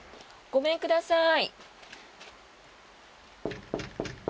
ごめんください。